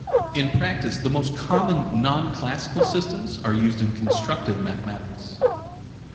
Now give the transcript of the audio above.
In practice, the most common non-classical systems are used in constructive mathematics.